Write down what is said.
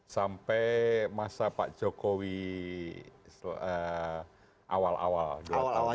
sampai masa pak jokowi awal awal